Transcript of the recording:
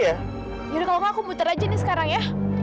yaudah kalau kamu aku muter aja nih sekarang ya